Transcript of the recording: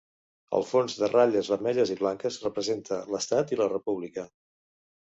El fons de ratlles vermelles i blanques representa l'estat i la república.